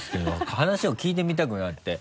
話を聞いてみたくなって。